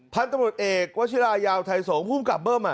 พันธุ์ตำรวจเอกวชิรายาวไทยสงศ์ภูมิกับเบิ้ม